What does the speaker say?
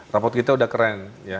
raport kita sudah keren